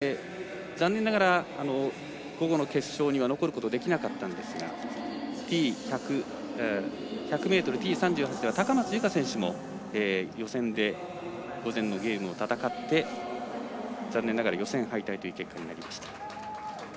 そして残念ながら午後の決勝には残ることができなかったんですが１００ｍ、Ｔ３８では高松佑圭選手も予選で午前のゲームを戦って残念ながら予選敗退という結果になりました。